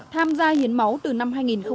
tham gia hiến máu từ năm hai nghìn một mươi